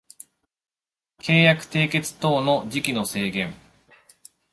契約締結等の時期の制限